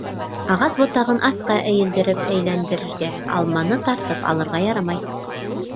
Ағас ботағын аҫҡа эйелдереп әйләндерергә, алманы тартып алырға ярамай.